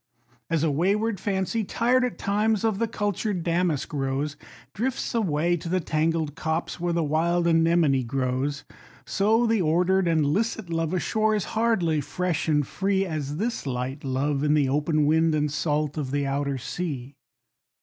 As a wayward Fancy, tired at times, of the cultured Damask Rose, Drifts away to the tangled copse, where the wild Anemone grows; So the ordered and licit love ashore, is hardly fresh and free As this light love in the open wind and salt of the outer sea.